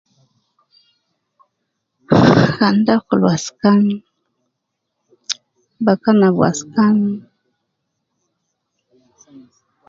Kan ta akul waskan, bakan ab waskan